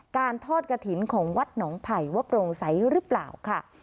ทอดกระถิ่นของวัดหนองไผ่ว่าโปร่งใสหรือเปล่าค่ะ